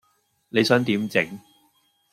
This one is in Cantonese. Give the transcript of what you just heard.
你想點整?